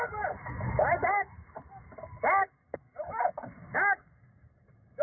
ส่วนลีนเลย